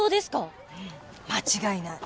間違いない。